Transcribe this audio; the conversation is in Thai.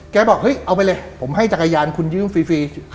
บอกเฮ้ยเอาไปเลยผมให้จักรยานคุณยืมฟรี